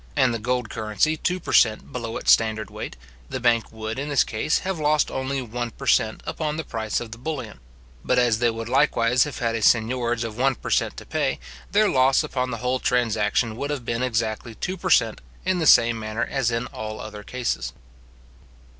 and the gold currency two per cent. below its standard weight, the bank would, in this case, have lost only one per cent. upon the price of the bullion; but as they would likewise have had a seignorage of one per cent. to pay, their loss upon the whole transaction would have been exactly two per cent., in the same manner as in all other cases.